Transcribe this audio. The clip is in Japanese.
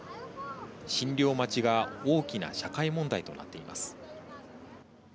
診療待ちが大きな社会問題となっています。